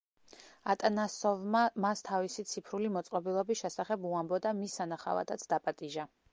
ატანასოვმა მას თავისი ციფრული მოწყობილობის შესახებ უამბო და მის სანახავადაც დაპატიჟა.